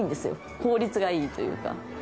効率が良いというか。